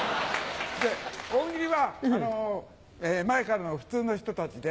大喜利は前からの普通の人たちで。